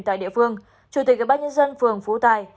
tại địa phương chủ tịch ubnd phường phú tài